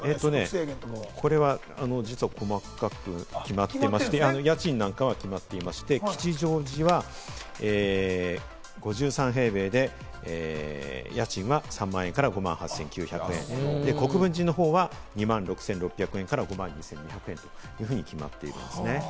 これは実は細かく決まってまして、吉祥寺は５３平米で、家賃は３万円から５万８９００円、国分寺は２万６６００円から５万２８００円というふうに決まっているんですね。